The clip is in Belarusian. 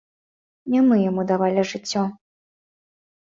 Не мы яму давалі жыццё.